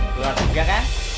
keluar juga kan